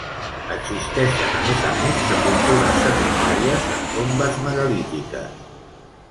Existeixen a més a més sepultures secundàries en tombes megalítiques.